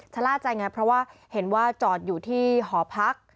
ชะล่าใจไงเพราะว่าเห็นว่าจอดอยู่ที่หอพัก